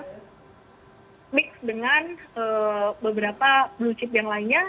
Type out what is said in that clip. dan mix dengan beberapa blue chip yang lainnya